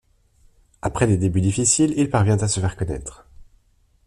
Après des débuts difficiles, il parvient à se faire connaitre.